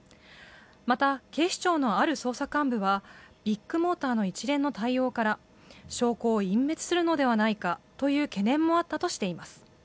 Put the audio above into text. また、警視庁のある捜査幹部はビッグモーターの一連の対応から証拠を隠滅するのではないかという懸念もあったとしています。